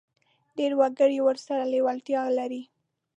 ډېر وګړي ورسره لېوالتیا لري.